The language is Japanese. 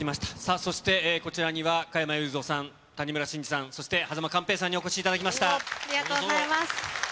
そしてこちらには、加山雄三さん、谷村新司さん、そして間寛平さんにお越しいただありがとうございます。